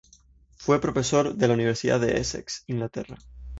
Fue profesor de la Universidad de Essex, Inglaterra.